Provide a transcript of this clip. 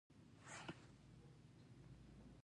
هغې د ښایسته خاطرو لپاره د تاوده ګلونه سندره ویله.